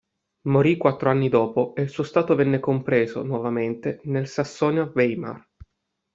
Morì quattro anni dopo e il suo stato venne compreso nuovamente nel Sassonia-Weimar.